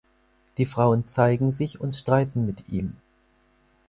Die Frauen zeigen sich und streiten mit ihm.